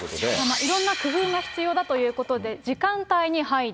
いろんな工夫が必要だということで、時間帯に配慮。